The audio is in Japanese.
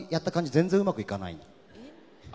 全然うまくいかないの。